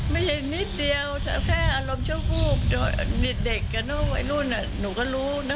ไม่ใช่นิดเดียวแค่อารมณ์เชื้อบูกเด็กนั่นไว้รู่นหนูก็รู้นะ